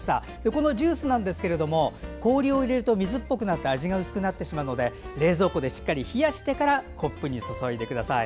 このジュースは氷を入れると水っぽくなって味が薄くなってしまうので冷蔵庫でしっかりと冷やしてからコップに注いでください。